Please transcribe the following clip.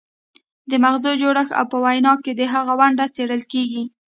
د مغزو جوړښت او په وینا کې د هغې ونډه څیړل کیږي